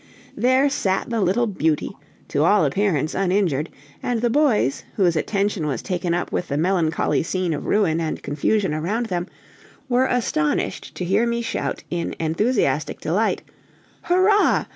There sat the little beauty, to all appearance uninjured; and the boys, whose attention was taken up with the melancholy scene of ruin and confusion around them, were astonished to hear me shout in enthusiastic delight: "Hurrah!